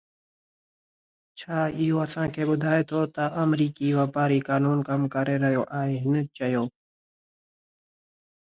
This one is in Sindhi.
ڇا اهو اسان کي ٻڌائي ٿو ته آمريڪي واپاري قانون ڪم ڪري رهيو آهي، هن چيو